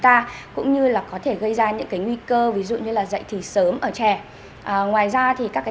ta cũng như là có thể gây ra những cái nguy cơ ví dụ như là dạy thì sớm ở trẻ ngoài ra thì các cái